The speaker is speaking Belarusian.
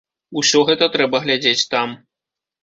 Усё гэта трэба глядзець там.